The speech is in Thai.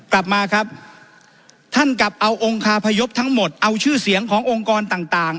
กลับมาครับท่านกลับเอาองค์คาพยพทั้งหมดเอาชื่อเสียงขององค์กรต่าง